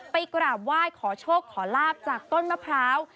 กราบไหว้ขอโชคขอลาบจากต้นมะพร้าว